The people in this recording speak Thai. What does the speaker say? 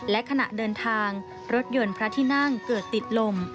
และขณะเดินทางรถยนต์พระที่นั่งเกิดติดลม